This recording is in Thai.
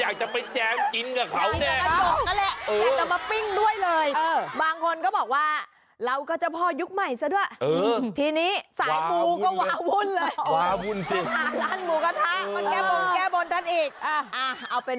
ก็คืออยากจะไปแจ้งจิ้นกับเขาแน่